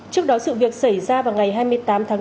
trước đó sự việc xảy ra vào ngày hai mươi tám tháng bốn